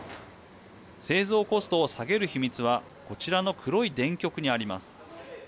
製造コストを下げる秘密はこちらの黒い電極にあります。